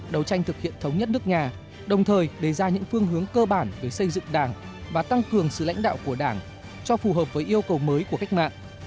đấu tranh thực hiện thống nhất nước nhà đồng thời đề ra những phương hướng cơ bản về xây dựng đảng và tăng cường sự lãnh đạo của đảng cho phù hợp với yêu cầu mới của cách mạng